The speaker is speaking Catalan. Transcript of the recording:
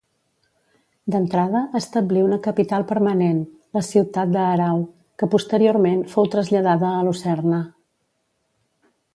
D'entrada establí una capital permanent, la ciutat d'Aarau, que posteriorment fou traslladada a Lucerna.